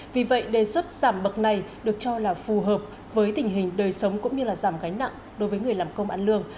vì vậy đề xuất giảm bậc này được cho là phù hợp với tình hình đời sống cũng như giảm gánh nặng đối với người làm công ăn lương